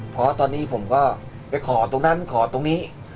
เพราะตอนนี้ผมก็ไปขอตรงนั้นขอตรงนี้